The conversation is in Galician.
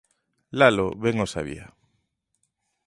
Lalo ben o sabía.